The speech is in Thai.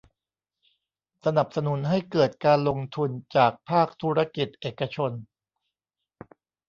สนับสนุนให้เกิดการลงทุนจากภาคธุรกิจเอกชน